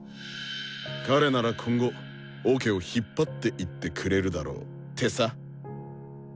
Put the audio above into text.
「彼なら今後オケを引っ張っていってくれるだろう」ってさ。